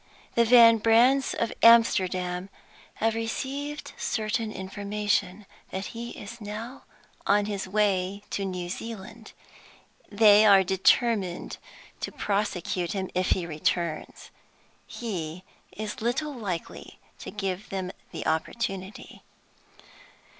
The Van Brandts of Amsterdam have received certain information that he is now on his way to New Zealand. They are determined to prosecute him if he returns. He is little likely to give them the opportunity.